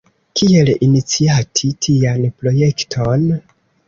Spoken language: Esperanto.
Kiel iniciati tian projekton?